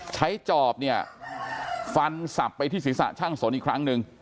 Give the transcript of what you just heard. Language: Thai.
จอบเนี่ยฟันสับไปที่ศีรษะช่างสนอีกครั้งหนึ่ง